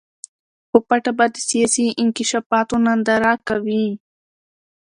په پټه به د سیاسي انکشافاتو ننداره کوي.